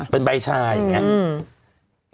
เป็นใบชาอย่างนี้